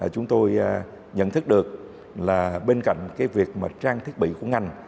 chúng tôi nhận thức được là bên cạnh việc trang thiết bị của ngành